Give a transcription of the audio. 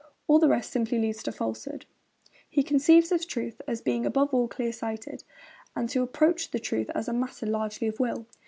All the rest simply leads to falsehood.' He conceives of truth as being above all clear sighted, and the approach to truth as a matter largely of will.